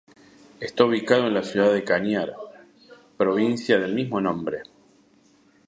Está ubicado en la ciudad de Cañar, provincia del mismo nombre.